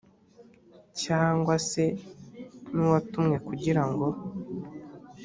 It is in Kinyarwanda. cyangwa se n uwatumwe kugira ngo